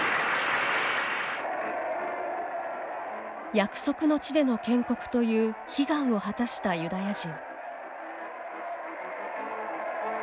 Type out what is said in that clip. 約束の地での建国という悲願を果たしたユダヤ人。